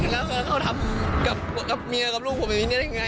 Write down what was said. แล้วเขาทำกับกับเมียกับลูกผมอยู่ในนี้ได้ยังไงอ่ะ